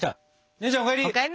姉ちゃんお帰り！